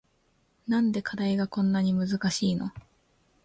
なんで課題がこんなに難しいの